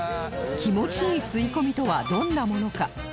気持ちいい吸い込みとはどんなものか